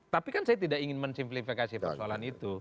tapi kan saya tidak ingin mensimplifikasi persoalan itu